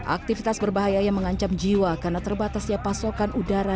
aktivitas berbahaya yang mengancam jiwa karena terbatasnya pasokan udara